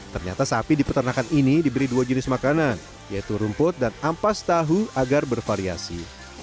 ternyata sapi di peternakan ini diberi dua jenis makanan yaitu rumput dan ampas tahu agar bervariasi